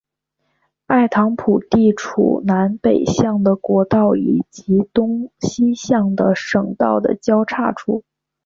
埃唐普地处南北向的国道以及东西向的省道的交叉处。